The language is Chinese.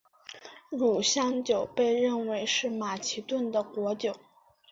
乳香酒被认为是马其顿的国酒。